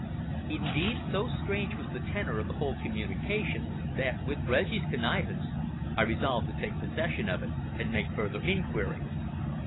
Indeed, so strange was the tenor of the whole communication that, with Reggie's connivance, I resolved to take possession of it and make further inquiry.